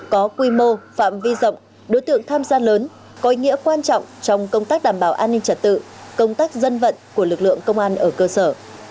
có quy mô phạm vi rộng đối tượng tham gia lớn có ý nghĩa quan trọng trong công tác đảm bảo an ninh trật tự công tác dân vận của lực lượng công an ở cơ sở